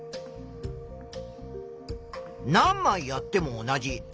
何まいやっても同じ。